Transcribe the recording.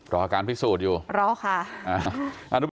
รออาการพิสูจน์อยู่นะครับอ่ะนุ้ย